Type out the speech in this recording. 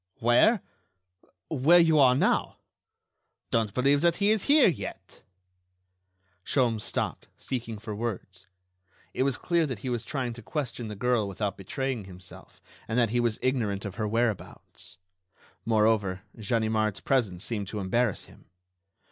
Where?... Where you are now.... Don't believe that he is here yet!..." Sholmes stopped, seeking for words. It was clear that he was trying to question the girl without betraying himself, and that he was ignorant of her whereabouts. Moreover, Ganimard's presence seemed to embarrass him....